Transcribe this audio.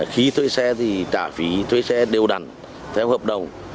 khi thuê xe thì trả phí thuê xe đều đặn theo hợp đồng